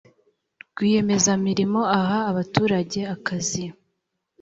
rwiyemezamirimo ahabatutage akazi.